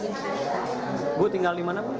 ibu tinggal di mana